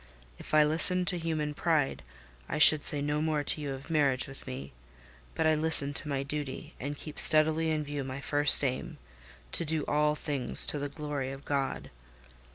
If I listened to human pride, I should say no more to you of marriage with me; but I listen to my duty, and keep steadily in view my first aim—to do all things to the glory of God.